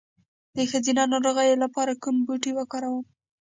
د ښځینه ناروغیو لپاره کوم بوټی وکاروم؟